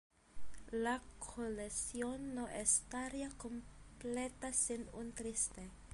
La colección no estaría completa sin un Triste.